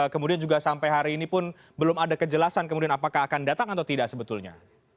kemudian juga sampai hari ini pun belum ada kejelasan kemudian apakah akan datang atau tidak sebetulnya